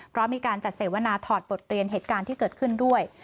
เพราะมีการจัดเสวนาถอดบทเรียนเหตุการณ์ที่เกิดขึ้นด้วย